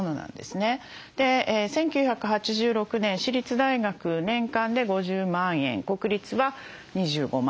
１９８６年私立大学年間で５０万円国立は２５万円。